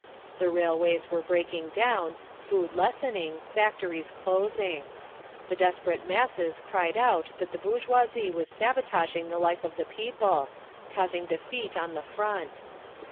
The railways were breaking down, food lessening, factories closing. The desperate masses cried out that the bourgeoisie was sabotaging the life of the people, causing defeat on the Front.